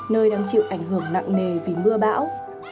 nơi đang chịu ảnh hưởng nặng nề vì mưa bão